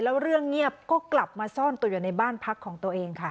แล้วเรื่องเงียบก็กลับมาซ่อนตัวอยู่ในบ้านพักของตัวเองค่ะ